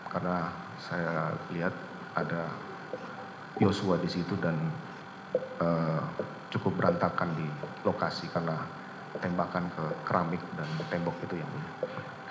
karena saya lihat ada yesua disitu dan cukup berantakan di lokasi karena tembakan ke keramik dan tembok itu yang ada